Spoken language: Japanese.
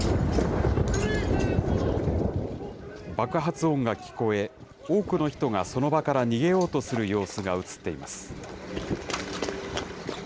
爆発音が聞こえ、多くの人がその場から逃げようとする様子が写っています。